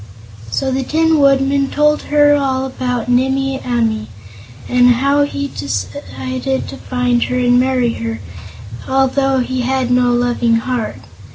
So the Tin Woodman told her all about Nimmie Amee, and how he had decided to find her and marry her, although he had no Loving Heart.